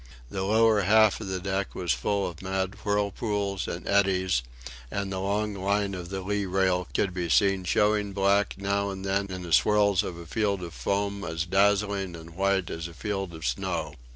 The lower half of the deck was full of mad whirlpools and eddies; and the long line of the lee rail could be seen showing black now and then in the swirls of a field of foam as dazzling and white as a field of snow.